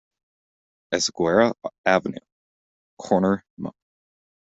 Esguerra Avenue, corner Mo.